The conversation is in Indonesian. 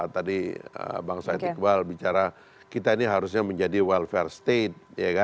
tadi bang said iqbal bicara kita ini harusnya menjadi welfare state